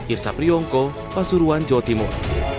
irsa priyongko pasuruan jawa timur